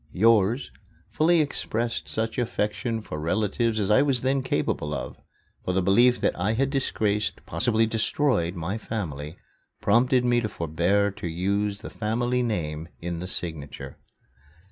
"Yours" fully expressed such affection for relatives as I was then capable of for the belief that I had disgraced, perhaps destroyed, my family prompted me to forbear to use the family name in the signature.